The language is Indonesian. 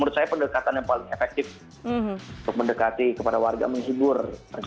menurut saya pendekatan yang paling efektif untuk mendekati kepada warga menghibur